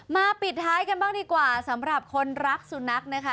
ปิดท้ายกันบ้างดีกว่าสำหรับคนรักสุนัขนะคะ